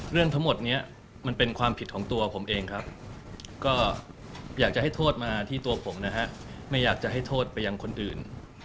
เรื่องทั้งหมดนี้มันเป็นความผิดของตัวผมเองครับก็อยากจะให้โทษมาที่ตัวผมนะฮะไม่อยากจะให้โทษไปยังคนอื่น